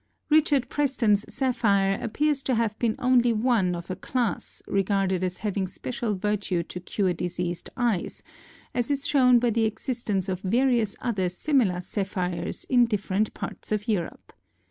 Richard Preston's sapphire appears to have been only one of a class regarded as having special virtue to cure diseased eyes, as is shown by the existence of various other similar sapphires in different parts of Europe.